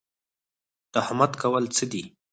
تهمت کول څه دي؟